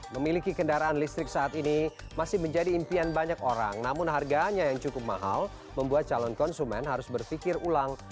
memiliki kendaraan listrik saat ini masih menjadi impian banyak orang namun harganya yang cukup mahal membuat calon konsumen harus berpikir ulang